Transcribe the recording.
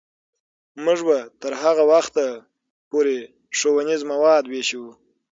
موږ به تر هغه وخته پورې ښوونیز مواد ویشو.